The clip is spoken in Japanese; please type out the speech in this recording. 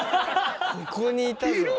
ここにいたんだ。